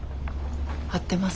合ってます。